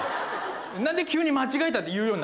何で急に「間違えた」って言うようになったの？